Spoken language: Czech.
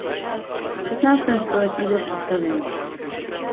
V šestnáctém století byl přestavěn.